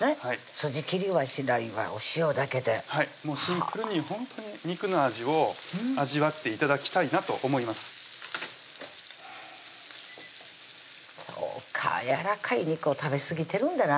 筋切りはしないわお塩だけでもうシンプルにほんとに肉の味を味わって頂きたいなと思いますそうかやわらかい肉を食べすぎてるんだな